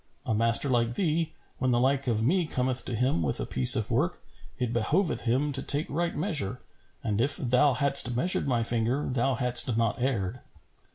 A master like thee, when the like of me cometh to him with a piece of work, it behoveth him to take right measure; and if thou hadst measured my finger, thou hadst not erred.'